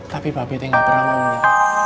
tapi papih tinggal berawalnya